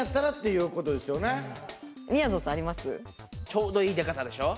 ちょうどいいデカさでしょ？